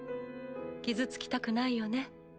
傷つきたくないよね。